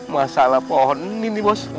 masalah pohon ini bos